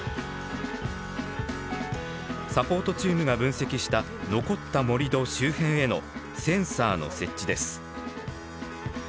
サポートチームが分析した残った盛り土周辺へのセンサーの設置です。